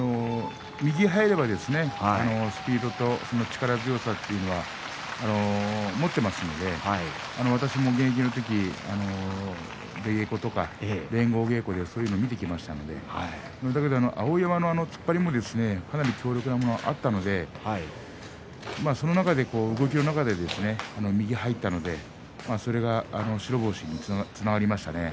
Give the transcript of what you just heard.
右が入ればスピードと力強さというのを持っていますので私も現役の時に出稽古とか連合稽古でそういうのを見てきましたので碧山のあの突っ張りもかなり強烈なものがあったのでその中で動きの中で右が入ったのでそれが白星につながりましたね。